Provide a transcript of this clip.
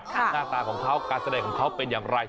หน้าตาของเขาส่าแดยของเขาอย่างไร